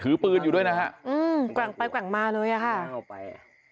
ปืนอยู่ด้วยนะฮะอืมแกว่งไปแกว่งมาเลยอ่ะค่ะเข้าไป